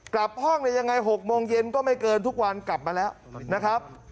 กลับห้องได้ยังไง๖โมงเย็นก็ไม่เกินทุกวันกลับมาแล้วนะครับ